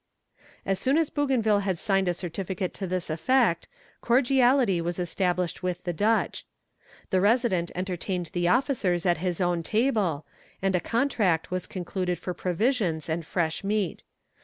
As soon as Bougainville had signed a certificate to this effect, cordiality was established with the Dutch. The resident entertained the officers at his own table, and a contract was concluded for provisions and fresh meat.